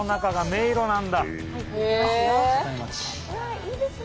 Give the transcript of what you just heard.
いいですね。